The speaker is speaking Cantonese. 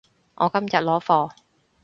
我今日攞貨